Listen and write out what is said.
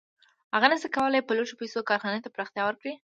هغه نشي کولی په لږو پیسو کارخانې ته پراختیا ورکړي